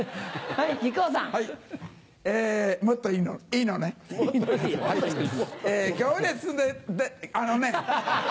はいえ行列であのね。